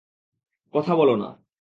কথা বোলো না।